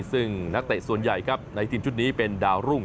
ซึ่งนักเตะส่วนใหญ่ครับในทีมชุดนี้เป็นดาวรุ่ง